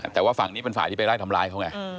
แต่ว่าฝั่งนี้เป็นฝ่ายที่ไปไล่ทำร้ายเขาไง